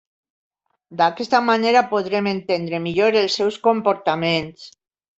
D'aquesta manera podrem entendre millor els seus comportaments.